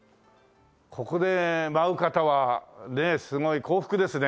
ここで舞う方はねえすごい幸福ですね。